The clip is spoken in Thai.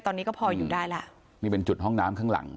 ตอนนี้ก็พออยู่ได้แล้วนี่เป็นจุดห้องน้ำข้างหลัง